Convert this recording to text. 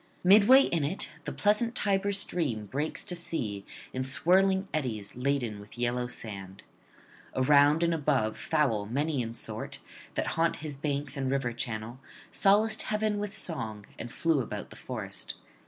Midway in it the pleasant Tiber stream breaks to sea in swirling eddies, laden with yellow sand. Around and above fowl many in sort, that haunt his banks and river channel, solaced heaven with song and flew about the forest.